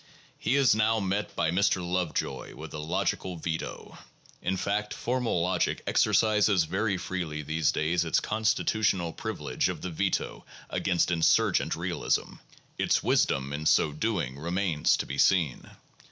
He is now met by Mr. Lovejoy with a logical veto. In fact, formal logic exercises very freely these days its constitutional privilege of the veto against insurgent realism; its wisdom in so doing remains to be seen.